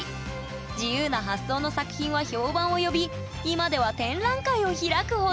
自由な発想の作品は評判を呼び今では展覧会を開くほど！